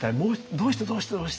どうしてどうしてどうして？